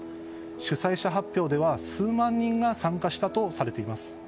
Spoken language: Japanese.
主催者発表では数万人が参加したとされています。